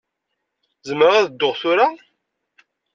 Zemreɣ ad dduɣ tura?